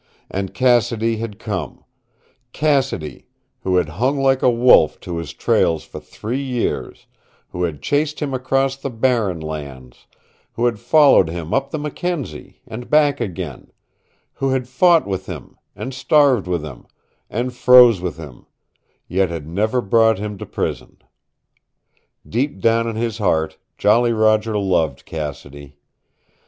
And Cassidy had come Cassidy, who had hung like a wolf to his trails for three years, who had chased him across the Barren Lands, who had followed him up the Mackenzie, and back again who had fought with him, and starved with him, and froze with him, yet had never brought him to prison. Deep down in his heart Jolly Roger loved Cassidy.